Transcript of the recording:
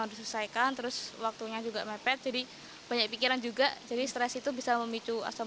harus diselesaikan terus waktunya juga mepet jadi banyak pikiran juga jadi stres itu bisa memicu asam